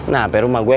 nah apa rumah gue